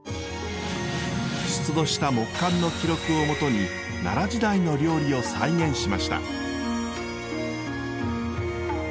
出土した木簡の記録を基に奈良時代の料理を再現しました。